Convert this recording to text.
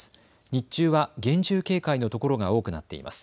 日中は厳重警戒のところが多くなっています。